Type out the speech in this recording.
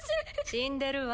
死んでるわ。